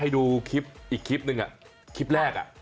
ดูคลิปอีกคลิปนึงอะคลิปแรกอะ